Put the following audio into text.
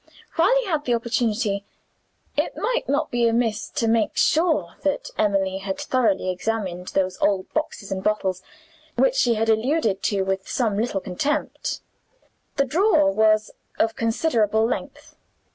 While he had the opportunity, it might not be amiss to make sure that Emily had thoroughly examined those old boxes and bottles, which she had alluded to with some little contempt. The drawer was of considerable length.